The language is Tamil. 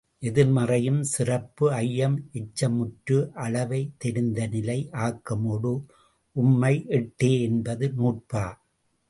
எதிர்மறை சிறப்பு ஐயம் எச்சம்முற்று அளவை தெரிநிலை ஆக்கமோடு உம்மை எட்டே என்பது நூற்பா.